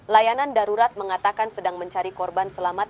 layanan darurat mengatakan sedang mencari korban selamat